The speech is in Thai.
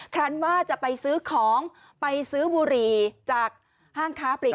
คันว่าจะไปซื้อของไปซื้อบุหรี่จากห้างค้าปลีก